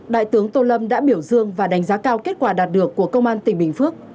đại tướng tô lâm đã biểu dương và đánh giá cao kết quả đạt được của công an tỉnh bình phước